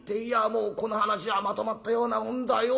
もうこの話はまとまったようなもんだよ。